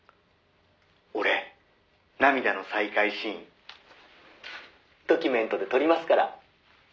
「俺涙の再会シーンドキュメントで撮りますから」